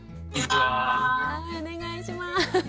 お願いします。